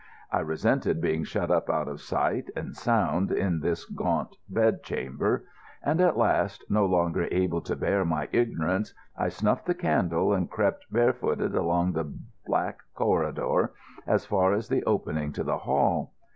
I resented being shut up out of sight and sound in this gaunt bedchamber; and at last, no longer able to bear my ignorance, I snuffed the candle and crept barefooted along the black corridor as far as the opening to the hall.